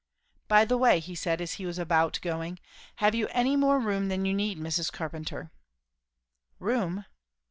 "By the way," said he as he was about going, "have you any more room than you need, Mrs. Carpenter?" "Room?